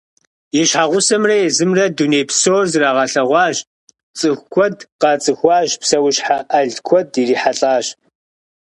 И щхьэгъусэмрэ езымрэ дуней псор зрагъэлъэгъуащ, цӏыху куэд къацӏыхуащ, псэущхьэ ӏэл куэд ирихьэлӏащ.